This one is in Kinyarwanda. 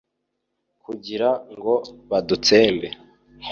kugira ngo badutsembe